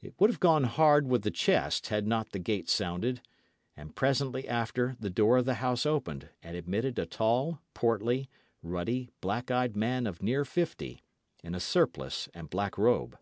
It would have gone hard with the chest had not the gate sounded, and presently after the door of the house opened and admitted a tall, portly, ruddy, black eyed man of near fifty, in a surplice and black robe.